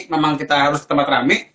memang kita harus ke tempat rame